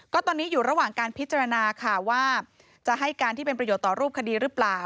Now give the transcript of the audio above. ก็ตอนนี้อยู่ระหว่างการพิจารณาค่ะว่าจะให้การที่เป็นประโยชน์ต่อรูปคดีหรือเปล่า